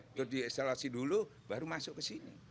itu di installasi dulu baru masuk ke sini